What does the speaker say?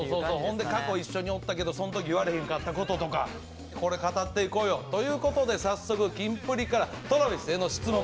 過去一緒におったけどそん時言われへんかったこととかこれ語っていこうよ。ということで早速キンプリからＴｒａｖｉｓへの質問。